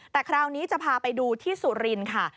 แต่คราวนี้จะพาไปดูที่สุรินทร์ค่ะ